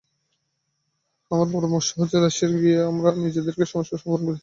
আমার পরামর্শ হচ্ছে রাশিয়ায় গিয়ে আমরা নিজেরাই সমস্যাটার সমাধান করি।